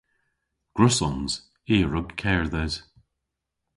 Gwrussons. I a wrug kerdhes.